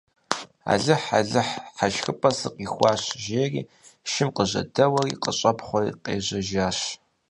– Алыхь-Алыхь, хьэшхыпӀэ сыкъихуащ, – жери шым къыжьэдэуэри къыщӀэпхъуэри къежьэжащ.